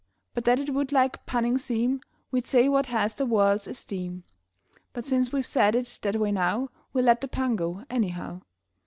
But that it would like punning seem We'd say Watt has the world's esteem (But since we've said it that way now We'll let the pun go, anyhow).